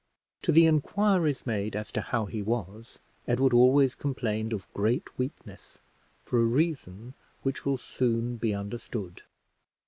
To the inquiries made as to how he was, Edward always complained of great weakness, for a reason which will soon be understood.